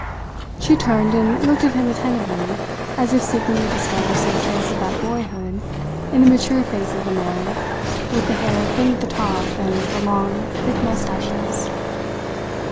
She turned and looked at him attentively, as if seeking to discover some trace of that boyhood in the mature face of the man with the hair thin at the top and the long, thick moustaches.